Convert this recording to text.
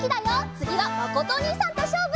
つぎはまことおにいさんとしょうぶ！